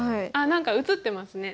何か写ってますね。